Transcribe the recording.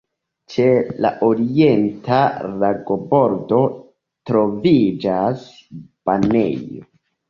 Ĉe la orienta lagobordo troviĝas banejo.